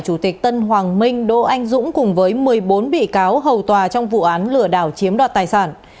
chủ tịch tân hoàng minh đô anh dũng cùng với một mươi bốn bị cáo hầu tòa trong vụ án lừa đảo chiếm đoạt tài sản